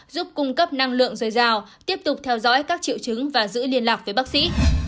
giúp cung cấp năng lượng dồi dào tiếp tục theo dõi các triệu chứng và giữ liên lạc với bác sĩ